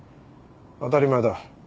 当たり前だ。